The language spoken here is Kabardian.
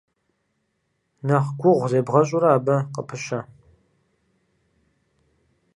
Нэхъ гугъу зебгъэщӀурэ, абы къыпыщэ.